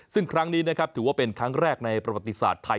ซึ่งครั้งนี้นะครับถือว่าเป็นครั้งแรกในประวัติศาสตร์ไทย